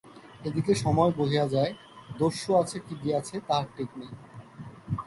এ দিকে সময় বহিয়া যায়, দস্যু আছে কি গিয়াছে তাহার ঠিক নাই।